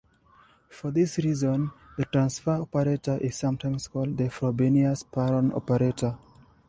For this reason, the transfer operator is sometimes called the Frobenius-Perron operator.